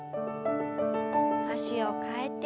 脚を替えて。